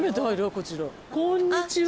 こんにちは。